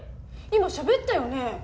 今しゃべったよね？